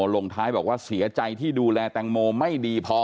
ลงท้ายบอกว่าเสียใจที่ดูแลแตงโมไม่ดีพอ